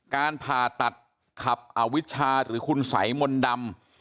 การผ่าตัดขับอวิชาหรือคุณสัยมนต์ดำ